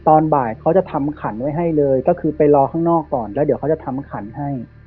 ตอนบ่ายเขาจะทำขันไว้ให้เลยก็คือไปรอข้างนอกก่อนแล้วเดี๋ยวเขาจะทำขันให้